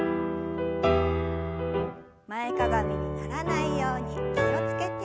前かがみにならないように気を付けて。